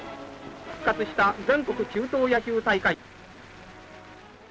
復活した全国中等野球大会。